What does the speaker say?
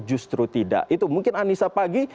justru tidak itu mungkin anissa pagi